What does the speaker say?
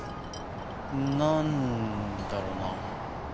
なんだろうな。